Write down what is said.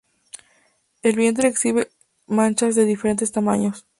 El vientre exhibe manchas de diferentes tamaños.